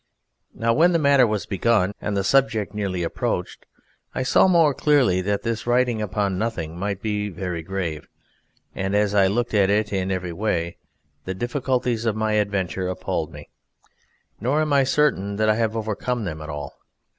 Now when the matter was begun and the subject nearly approached, I saw more clearly that this writing upon Nothing might be very grave, and as I looked at it in every way the difficulties of my adventure appalled me, nor am I certain that I have overcome them all.